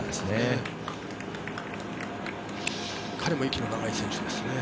彼も息の長い選手ですね。